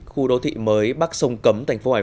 khu đô thị mới bắc sông cấm